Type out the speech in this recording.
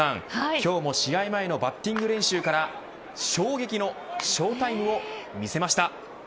今日も試合前のバッティング練習からＳＨＯ撃のＳＨＯタイムを見せました。